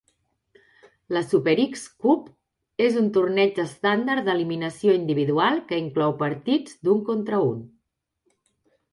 La Super X Cup és un torneig estàndard d'eliminació individual que inclou partits d'un contra un.